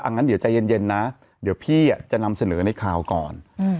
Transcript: อ่ะงั้นเดี๋ยวใจเย็นเย็นนะเดี๋ยวพี่อ่ะจะนำเสนอในข่าวก่อนอืม